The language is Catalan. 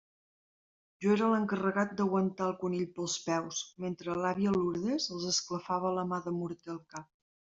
Jo era l'encarregat d'aguantar el conill pels peus, mentre l'àvia Lourdes els esclafava la mà de morter al cap.